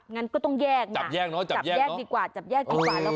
งั้นก็ต้องแยกนะแยกดีกว่าจับแยกได้เป็นไหม